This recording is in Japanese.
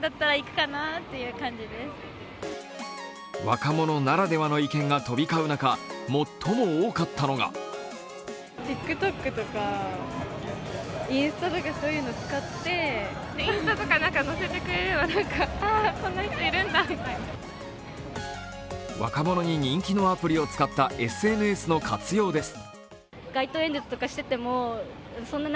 若者ならではの意見が飛び交う中、最も多かったのが若者に人気のアプリを使ったＳＮＳの活用です。